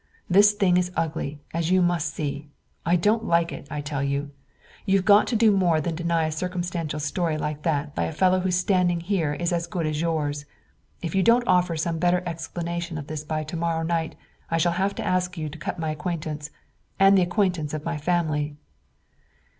This thing is ugly, as you must see. I don't like it, I tell you! You've got to do more than deny a circumstantial story like that by a fellow whose standing here is as good as yours! If you don't offer some better explanation of this by to morrow night I shall have to ask you to cut my acquaintance and the acquaintance of my family!"